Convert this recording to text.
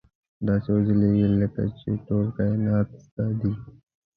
داسې وځلېږه لکه چې ټول کاینات ستا دي.